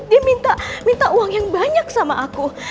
dia minta uang yang banyak sama aku